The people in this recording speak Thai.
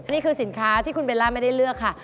นี่คือสินค้าที่คุณเบลล่าไม่ได้เลือกค่ะ